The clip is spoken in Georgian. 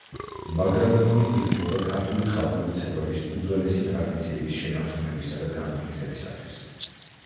ბაგრატიონი იღვწოდა ქართული ხალხური ცეკვების უძველესი ტრადიციების შენარჩუნებისა და განმტკიცებისათვის.